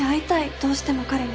どうしても彼に。